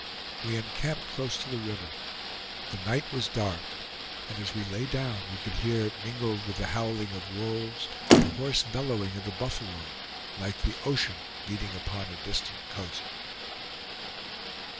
We encamped close to the river. The night was dark, and as we lay down we could hear mingled with the howling of wolves the hoarse bellowing of the buffalo, like the ocean beating upon a distant coast.